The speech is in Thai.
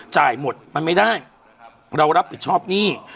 จ่ายหมดมันไม่ได้เรารับผิดชอบหนี้